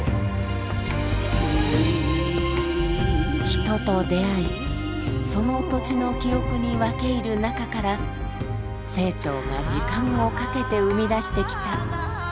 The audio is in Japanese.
人と出会いその土地の記憶に分け入る中から清張が時間をかけて生み出してきた数々の物語。